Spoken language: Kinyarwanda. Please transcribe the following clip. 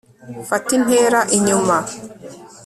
fata intera inyuma